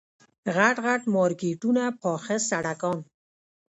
غټ غټ مارکېټونه پاخه سړکان.